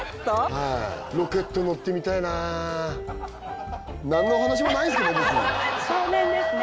はいロケット乗ってみたいな何の話もないですけど別に少年ですね